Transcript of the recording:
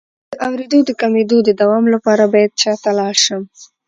د اوریدو د کمیدو د دوام لپاره باید چا ته لاړ شم؟